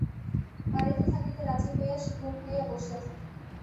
বাড়িতে থাকিতে রাজি হইয়া সে গুম হইয়া বসিয়া থাকে।